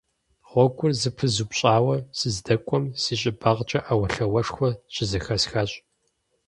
Гъуэгур зэпызупщӀауэ сыздэкӀуэм си щӀыбагъкӀэ Ӏэуэлъауэшхуэ щызэхэсхащ.